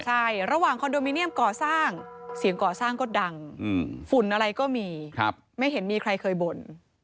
ใช่ระหว่างคอนโดมิเนียมก่อสร้างเสียงก่อสร้างก็ดังฝุ่นอะไรก็มีไม่เห็นมีใครเคยบ่น